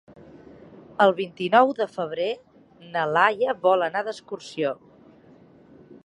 El vint-i-nou de febrer na Laia vol anar d'excursió.